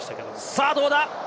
さぁどうだ。